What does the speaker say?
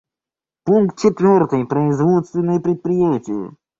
Пункт четвертый: производственные предприятия.